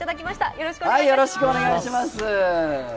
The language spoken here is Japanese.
よろしくお願いします。